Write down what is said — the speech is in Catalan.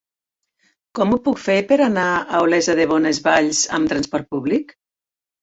Com ho puc fer per anar a Olesa de Bonesvalls amb trasport públic?